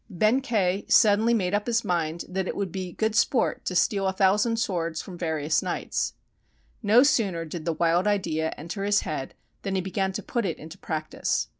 308 THE STORY OF YOSHITSUNE Benkei suddenly made up his mind that it would be good sport to steal a thousand swords from various knights. No sooner did the wild idea enter his head than he began to put it into practice.